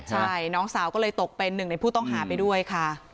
ใช่น้องสาวก็เลยตกเป็นหนึ่งในผู้ต้องหาไปด้วยค่ะ